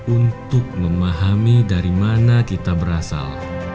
untuk memahami dari mana kita berasal